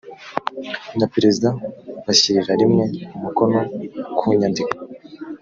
na perezida bashyirira rimwe umukono ku nyandiko